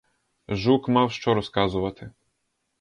Жук мав що розказувати.